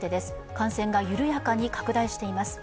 感染が緩やかに拡大しています。